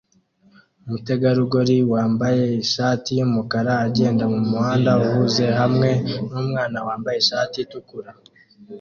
Umutegarugori wambaye ishati yumukara agenda mumuhanda uhuze hamwe numwana wambaye ishati itukura